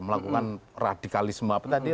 melakukan radikalisme apa tadi